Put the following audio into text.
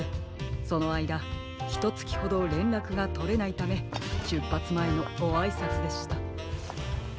そのあいだひとつきほどれんらくがとれないためしゅっぱつまえのごあいさつでした。